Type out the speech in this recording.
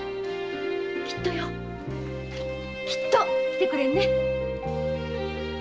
きっとよ。きっと来てくれんね。